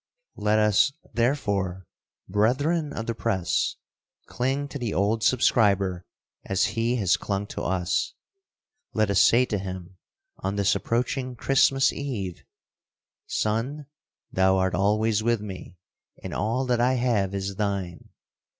Let us, therefore, brethren of the press, cling to the old subscriber as he has clung to us. Let us say to him, on this approaching Christmas Eve, "Son, thou art always with me, and all that I have is thine.